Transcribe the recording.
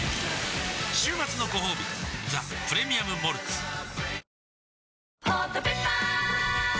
週末のごほうび「ザ・プレミアム・モルツ」きたきた！